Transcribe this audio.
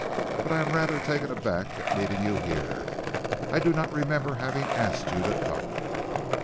But I am rather taken aback at meeting you here. I do not remember having asked you to come."